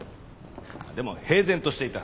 でも平然としていた。